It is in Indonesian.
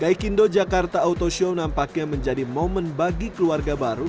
gaikindo jakarta auto show nampaknya menjadi momen bagi keluarga baru